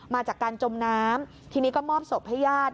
มาจากการจมน้ำทีนี้ก็มอบศพให้ญาติ